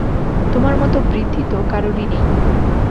তোমার মতো বৃদ্ধিতো কারোরই নেই।